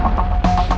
aku kasih tau